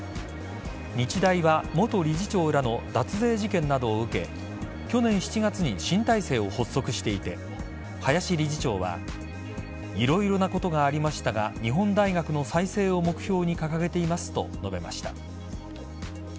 日大は元理事長らの脱税事件などを受け去年７月に新体制を発足していて林理事長はいろいろなことがありましたが日本大学の再生を目標に掲げていますと述べました。